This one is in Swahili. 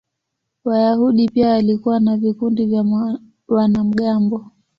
Wayahudi pia walikuwa na vikundi vya wanamgambo.